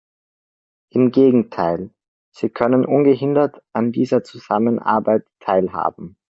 Im Gegenteil, sie können ungehindert an dieser Zusammenarbeit teilhaben.